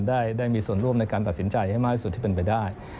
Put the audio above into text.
ได้มีส่วนร่วมในการตัดสินใจให้มากที่สุดที่เป็นไปได้